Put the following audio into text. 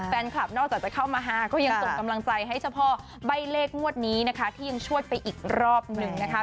แฟนคลับนอกจากจะเข้ามาฮาก็ยังส่งกำลังใจให้เฉพาะใบ้เลขงวดนี้นะคะที่ยังชวดไปอีกรอบหนึ่งนะคะ